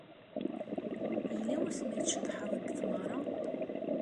Yella wasmi ay tceḍḥeḍ deg tmeɣra?